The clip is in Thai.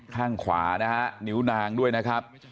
ข้างขวานะฮะนิ้วนางด้วยนะครับ